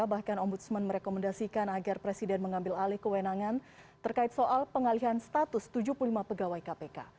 bahkan ombudsman merekomendasikan agar presiden mengambil alih kewenangan terkait soal pengalihan status tujuh puluh lima pegawai kpk